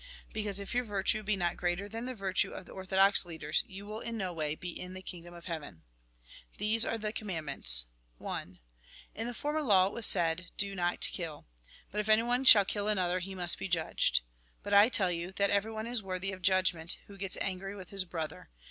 Because if your virtue be not greater than the virtue of the orthodox leaders, you will in no way be in the kingdom of heaven. These are, the connnandments : In the former law it was said :" Do not kill." But if anyone shall kill another, he must be judged. But I tell you, that everyone is worthy of judgment who gets angry with his brother.